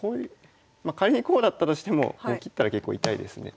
仮にこうだったとしてもこう切ったら結構痛いですね。